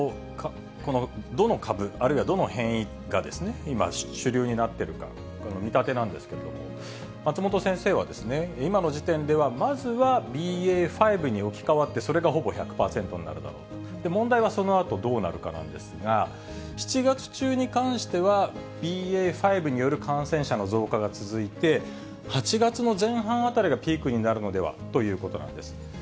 どの株、あるどの変異が今、主流になってるか、見立てなんですけれども、松本先生は、今の時点では、まずはＢＡ．５に置き換わって、それがほぼ１００％になるだろうと、問題はそのあとどうなるかなんですが、７月中に関しては、ＢＡ．５による感染者の増加が続いて、８月の前半あたりがピークになるのではということなんです。